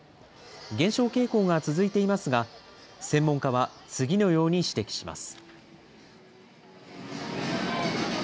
減少傾向が続いていますが、専門家は次のように指摘します。